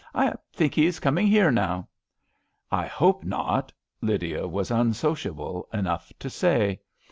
I think he is coming here now." "I hope not," Lydia was un sociable enoygh to say.